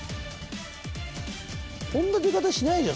こんな出方しないじゃん